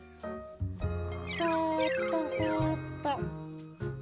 そっとそっと。